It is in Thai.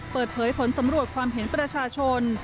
เปิดเผยผลสำรวจความเห็นประชาชน